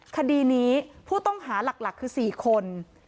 คดีนี้ผู้ต้องหาหลักคือ๔คน